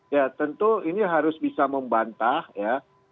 ya tentu ini harus bisa membantah ya